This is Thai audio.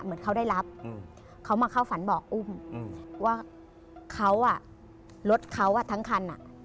เหมือนเขาได้รับเขามาเข้าฝันบอกอุ้มว่าเขาอ่ะรถเขาอ่ะทั้งคันอ่ะ